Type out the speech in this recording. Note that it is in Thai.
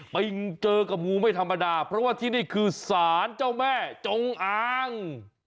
ไปเจอกับงูไม่ธรรมดาเพราะว่าที่นี่คือสารเจ้าแม่จงอาง